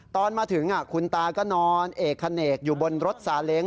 ตอนมาถึงคุณตาก็นอนเอกเขนกอยู่บนรถซาเล้ง